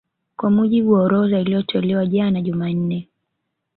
Kwa mujibu wa orodha iliyotolewa jana Jumanne